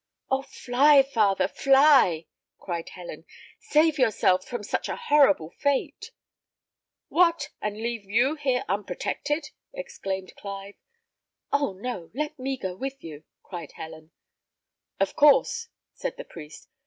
"Oh fly, father, fly!" cried Helen. "Save yourself from such a horrible fate!" "What! and leave you here unprotected!" exclaimed Clive. "Oh no! let me go with you!" cried Helen, "Of course," said the priest.